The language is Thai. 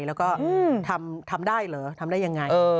แล้วก็ทำได้เหรอทำได้ยังไง